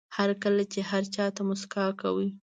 هر کله چې هر چا ته موسکا کوئ.